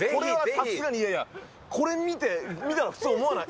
さすがにいやいや、これ見て、見たら普通思わない？